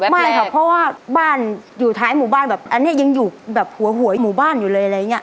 ไม่ค่ะเพราะว่าบ้านอยู่ท้ายหมู่บ้านแบบอันนี้ยังอยู่แบบหัวหวยหมู่บ้านอยู่เลยอะไรอย่างนี้